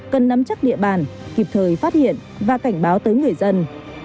cần nắm chắc địa bàn kịp thời phát hiện và cảnh báo tới người dân